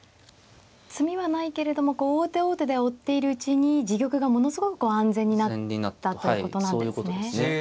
詰みはないけれども王手王手で追っているうちに自玉がものすごく安全になったということなんですね。